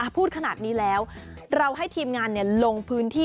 พูดขนาดนี้แล้วเราให้ทีมงานลงพื้นที่